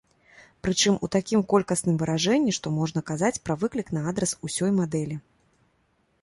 Прычым у такім колькасным выражэнні, што можна казаць пра выклік на адрас усёй мадэлі.